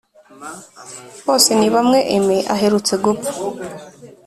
bose ni bamwe aime aherutse gupfa